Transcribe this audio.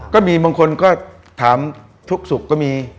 ก็มีบางคนก็ถามทุกสุขก็มี